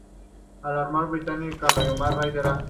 La Armada británica lo llamó "Raider A".